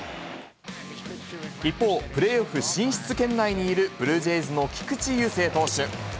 一方、プレーオフ進出圏内にいるブルージェイズの菊池雄星投手。